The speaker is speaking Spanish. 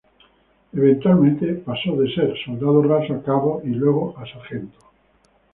Eventualmente, pasó de ser soldado raso a cabo, y luego a sargento.